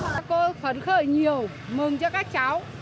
các cô phấn khởi nhiều mừng cho các cháu